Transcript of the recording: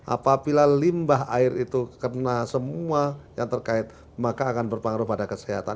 apabila limbah air itu kena semua yang terkait maka akan berpengaruh pada kesehatan